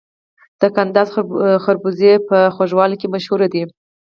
د کندز خربوزې په خوږوالي کې مشهورې دي.